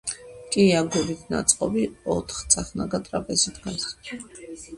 კი აგურით ნაწყობი, ოთხწახნაგა ტრაპეზი დგას.